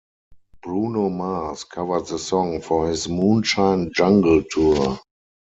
Bruno Mars covered the song for his Moonshine Jungle Tour.